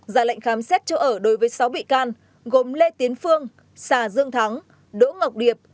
ra lệnh khám xét chỗ ở đối với sáu bị can gồm lê tiến phương xà dương thắng đỗ ngọc điệp